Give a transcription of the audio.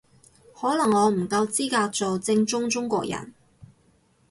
可能我唔夠資格做正宗中國人